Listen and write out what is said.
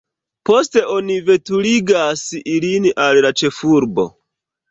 Poste oni veturigas ilin al la ĉefurbo.